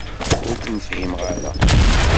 Ur kem-fhimeɣ ara.